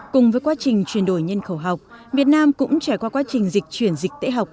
cùng với quá trình chuyển đổi nhân khẩu học việt nam cũng trải qua quá trình dịch chuyển dịch tễ học